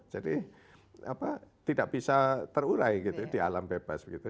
jadi apa tidak bisa terurai gitu di alam bebas gitu